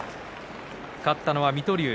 勝ったのは水戸龍。